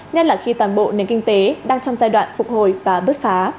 nhất là khi toàn bộ nền kinh tế đang trong giai đoạn phục hồi và bứt phá